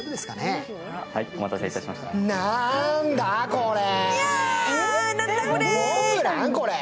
これ。